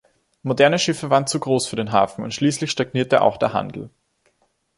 Moderne Schiffe waren zu groß für den Hafen und schließlich stagnierte auch der Handel.